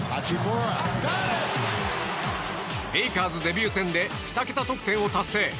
レイカーズデビュー戦で２桁得点を達成。